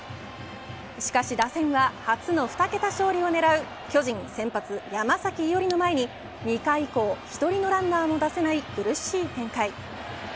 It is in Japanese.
しかし打線は初の２桁勝利を狙う巨人先発、山崎伊織の前に２回以降、１人のランナーも出せない苦しい展開。